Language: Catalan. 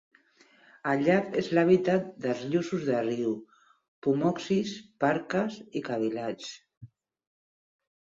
El llac és l'hàbitat de lluços de riu, pomoxis, perques i cavilats.